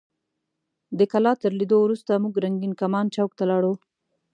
د کلا تر لیدو وروسته موږ رنګین کمان چوک ته لاړو.